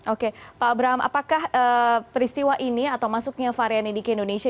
oke pak abraham apakah peristiwa ini atau masuknya varian ini ke indonesia